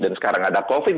dan sekarang ada covid